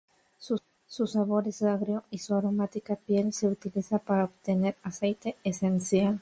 Su sabor es agrio y su aromática piel se utiliza para obtener aceite esencial.